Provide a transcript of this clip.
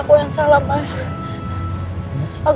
aku yang salah mas